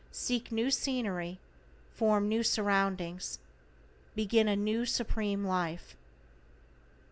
Seek new scenery, form new surroundings, begin a new Supreme Life.